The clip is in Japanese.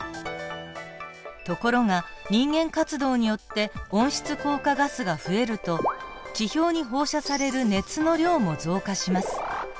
ところが人間活動によって温室効果ガスが増えると地表に放射される熱の量も増加します。